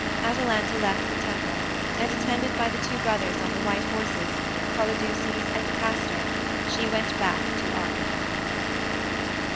Atalanta left the temple, and attended by the two brothers on the white horses, Polydeuces and Castor, she went back to Arcady.